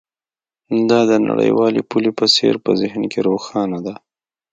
دا د نړیوالې پولې په څیر په ذهن کې روښانه ده